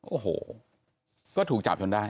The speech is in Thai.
โอ้โหก็ถูกจับจนได้